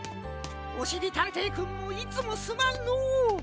おしりたんていくんもいつもすまんのう。